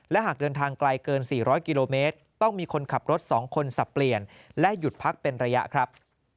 และหากเดินทางไกลเกิน๔๐๐กิโลเมตรต้องมีคนขับรถ๒คนสับเปลี่ยนและหยุดพักเป็นระยะครับ